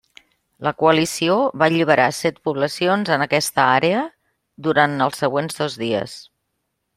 La coalició va alliberar set poblacions en aquesta àrea durant els següents dos dies.